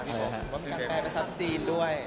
ดิฉิวว่ามีการแปลเป็นซัฟต์จีนด้วย